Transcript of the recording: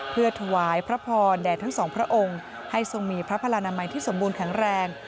เพื่อถวายพระพรแด่ทั้งสองพระองค์ให้ทรงมีพระพลานามัยที่สมบูรณแข็งแรง